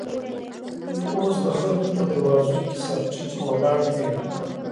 چې اوس دخلکو په دروازو، کې سر تيټى ولاړ نه وې.